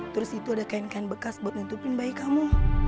terus itu ada kain kain bekas buat nutupin bayi kamu